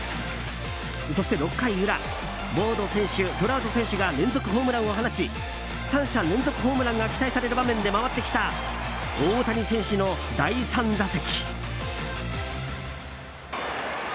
そして６回裏ウォード選手、トラウト選手が連続ホームランを放ち３者連続ホームランが期待される場面で回ってきた大谷選手の第３打席。